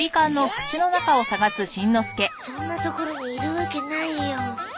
そんな所にいるわけないよ。